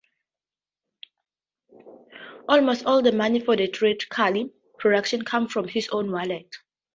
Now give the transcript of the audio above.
Almost all the money for the theatrical productions comes from his own wallet.